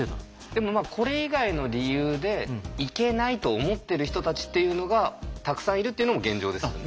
でもこれ以外の理由で行けないと思ってる人たちっていうのがたくさんいるっていうのも現状ですよね。